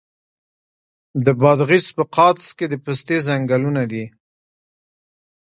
د بادغیس په قادس کې د پستې ځنګلونه دي.